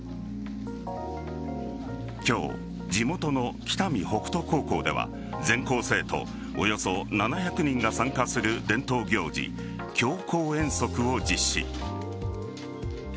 今日、地元の北見北斗高校では全校生徒およそ７００人が参加する伝統行事、強行遠足を実施。